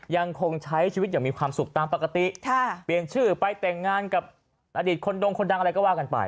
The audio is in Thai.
ยังคงใช้ชีวิตอย่างมีความสุขตามปกติเปลี่ยนชื่อไปแต่งงานกับอดีตคนดงคนดังอะไรก็ว่ากันไป